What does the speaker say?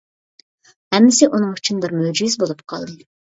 ھەممىسى ئۇنىڭ ئۈچۈن بىر مۆجىزە بولۇپ قالدى.